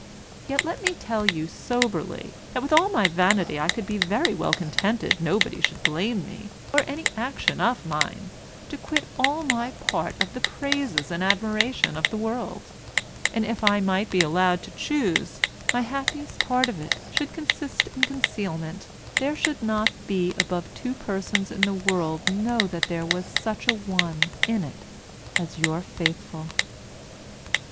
Yet let me tell you soberly, that with all my vanity I could be very well contented nobody should blame me or any action of mine, to quit all my part of the praises and admiration of the world; and if I might be allowed to choose, my happiest part of it should consist in concealment, there should not be above two persons in the world know that there was such a one in it as your faithful.